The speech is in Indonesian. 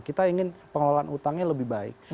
kita ingin pengelolaan utangnya lebih baik